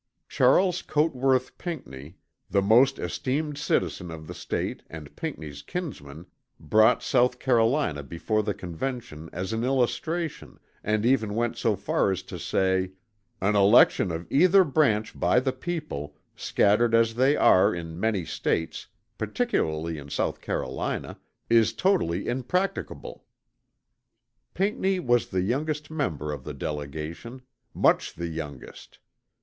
Charles Cotesworth Pinckney, the most esteemed citizen of the State and Pinckney's kinsman, brought South Carolina before the Convention as an illustration and even went so far as to say "an election of either branch by the people, scattered as they are in many States, particularly in South Carolina, is totally impracticable." Pinckney was the youngest member of the delegation much the youngest.